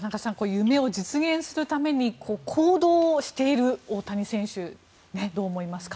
夢を実現するために行動をしている大谷選手どう思いますか。